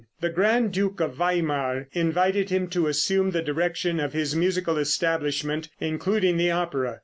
The grand duke of Weimar invited him to assume the direction of his musical establishment, including the opera.